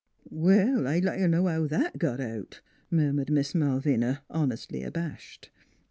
" Well, I'd like t' know how that got out," murmured Miss Malvina, honestly abashed.